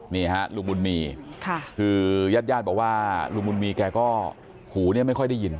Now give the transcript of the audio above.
นี่ฮะลุงบุญมีคือญาติญาติบอกว่าลุงบุญมีแกก็หูเนี่ยไม่ค่อยได้ยิน